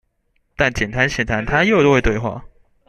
但簡單閒談，他又會對話